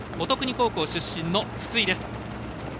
乙訓高校出身の筒井です。